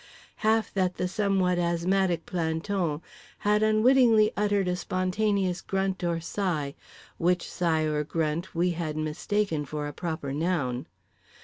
half that the somewhat asthmatic planton had unwittingly uttered a spontaneous grunt or sigh, which sigh or grunt we had mistaken for a proper noun.